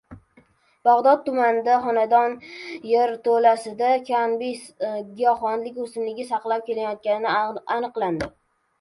Bag‘dod tumanida xonadon yerto‘lasida «kannabis» giyohvandlik o‘simligi saqlab kelinayotganligi aniqlandi